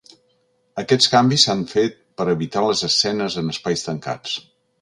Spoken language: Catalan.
Aquests canvis s’han fet per evitar les escenes en espais tancats.